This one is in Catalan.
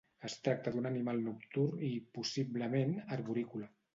Es tracta d'un animal nocturn i, possiblement, arborícola.